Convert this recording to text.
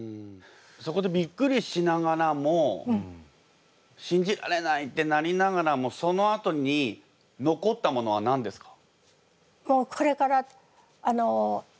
そこでびっくりしながらも信じられないってなりながらもそのあとに残ったものは何ですか？